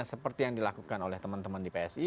seperti yang dilakukan oleh teman teman di psi